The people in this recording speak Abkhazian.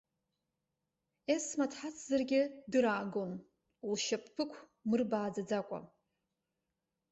Есма дҳацзаргьы дыраагон, лшьапԥыкә мырбааӡаӡакәа.